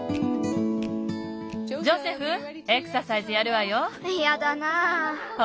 ジョセフエクササイズやるわよ！